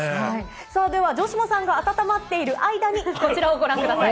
さあ、では城島さんが温まっている間に、こちらをご覧ください。